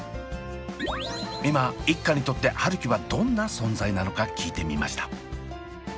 今一家にとって春輝はどんな存在なのか聞いてみました。